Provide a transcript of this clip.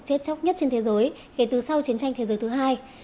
chết chóc nhất trên thế giới kể từ sau chiến tranh thế giới thứ hai